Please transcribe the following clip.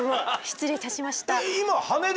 失礼いたしました。